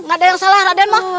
nggak ada yang salah raden mah